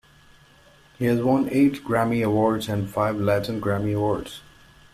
He has won eight Grammy Awards and five Latin Grammy Awards.